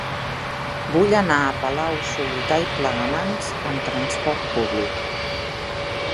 Vull anar a Palau-solità i Plegamans amb trasport públic.